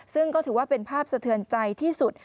ซึ่งก็ถือว่าเป็นภาพสะเทือนใจที่สุด